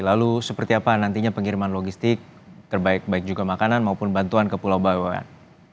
lalu seperti apa nantinya pengiriman logistik terbaik baik juga makanan maupun bantuan ke pulau bawaan